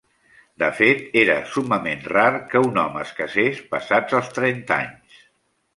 De fet, era summament rar que un home es casés passats els trenta anys.